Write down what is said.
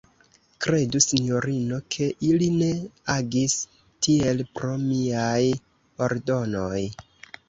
Kredu, sinjorino, ke ili ne agis tiel pro miaj ordonoj.